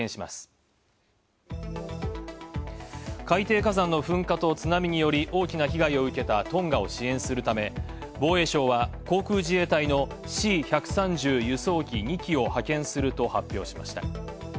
海底火山の噴火と津波により大きな被害を受けたトンガを支援するため、防衛省は、航空自衛隊のＣ１３０輸送機２機を派遣すると発表しました。